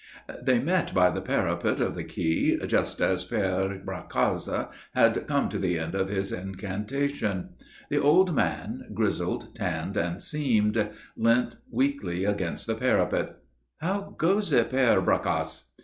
They met by the parapet of the Quai, just as Père Bracasse had come to the end of his incantation. The old man, grizzled, tanned and seamed, leant weakly against the parapet. "How goes it, Père Bracasse?"